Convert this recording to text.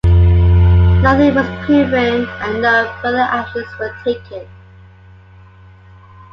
Nothing was proven and no further actions were taken.